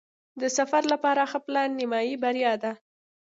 د سفر لپاره ښه پلان نیمایي بریا ده.